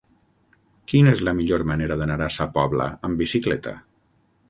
Quina és la millor manera d'anar a Sa Pobla amb bicicleta?